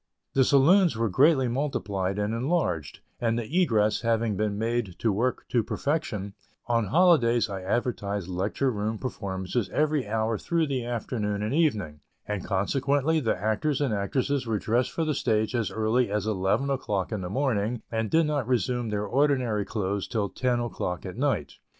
The saloons were greatly multiplied and enlarged, and the "egress" having been made to work to perfection, on holidays I advertised Lecture Room performances every hour through the afternoon and evening, and consequently the actors and actresses were dressed for the stage as early as eleven o'clock in the morning, and did not resume their ordinary clothes till ten o'clock at night.